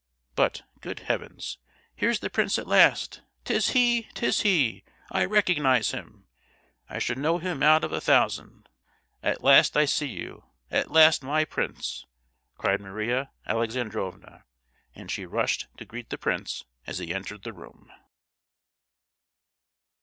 But, good heavens! here's the prince at last! 'Tis he, 'tis he! I recognise him! I should know him out of a thousand! At last I see you! At last, my Prince!" cried Maria Alexandrovna,—and she rushed to greet the prince as he entered the room.